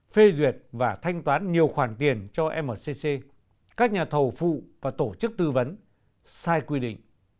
phê duyệt và thanh toán nhiều khoản tiền cho mcc các nhà thầu phụ và tổ chức tư vấn sai quy định